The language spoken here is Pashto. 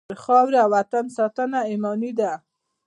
د خاورې او وطن ساتنه ایماني دنده ده.